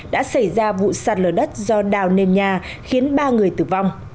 đã xảy ra vụ sạt lở đất do đào nền nhà khiến ba người tử vong